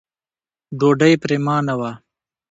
ډوډۍ پرېمانه وه.